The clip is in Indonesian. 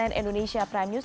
cnn indonesia prime news